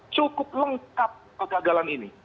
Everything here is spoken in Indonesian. cukup lengkap kegagalan ini